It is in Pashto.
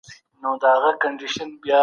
بهرنۍ پالیسي د سولي فرصتونه له منځه نه وړي.